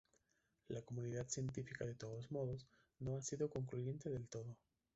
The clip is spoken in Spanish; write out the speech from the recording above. La comunidad científica de todos modos, no ha sido concluyente del todo.